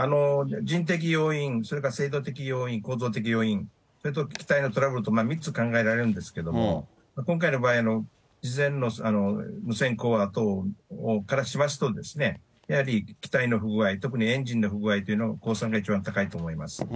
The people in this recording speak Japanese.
人的要因、それから制動的要因、構造的要因、それと機体のトラブルと、３つ考えられるんですけど、今回の場合、事前の無線などからしますと、やはり機体の不具合、特にエンジンの不具合という公算が一番高いと思います。